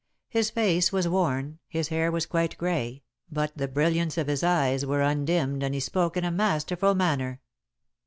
His face was worn, his hair was quite grey, but the brilliance of his eyes were undimmed, and he spoke in a masterful manner.